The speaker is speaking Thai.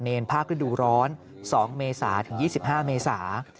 เนนพาขึ้นดูร้อน๒เมษาถึง๒๕เมษา